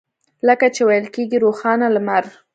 لکه چې ویل کېږي روښانه لمر.